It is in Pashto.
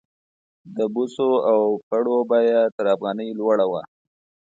د بوسو او پړو بیه تر افغانۍ لوړه وه.